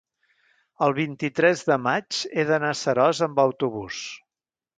el vint-i-tres de maig he d'anar a Seròs amb autobús.